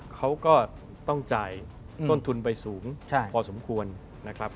เขาก็ต้องจ่ายต้นทุนไปสูงพอสมควรนะครับ